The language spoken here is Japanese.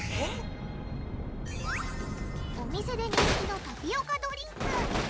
お店で人気のタピオカドリンク。